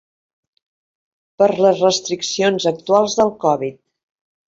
Per les restriccions actuals del covid.